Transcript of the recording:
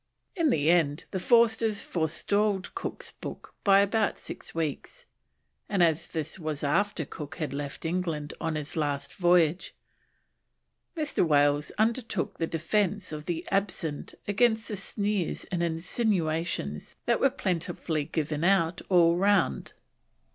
In the end the Forsters forestalled Cook's book by about six weeks, and as this was after Cook had left England on his last voyage, Mr. Wales undertook the defence of the absent against the sneers and insinuations that were plentifully given out all round.